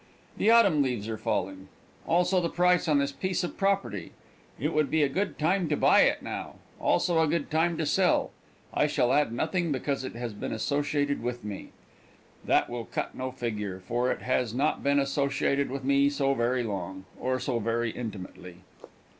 The autumn leaves are falling. Also the price on this piece of property. It would be a good time to buy it now. Also a good time to sell. I shall add nothing because it has been associated with me. That will cut no figure, for it has not been associated with me so very long, or so very intimately.